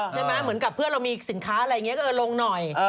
เหมือนกับเพื่อนเรามีสินค้าอะไรอย่างนี้ก็ลงหน่อย